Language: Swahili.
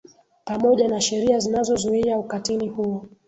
pamoja na sheria zinazozuia ukatili huo